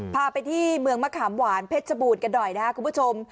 พาไปที่เมืองมะขามหวานเพชรบูรณ์กันหน่อยนะครับคุณผู้ชม